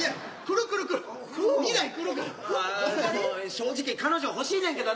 正直彼女欲しいねんけど。